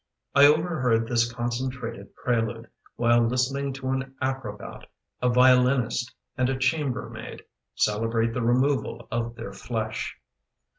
I overheard this concentrated prelude While listening to an acrobat, a violinist, and a chamber maid Celebrate the removal of their flesh.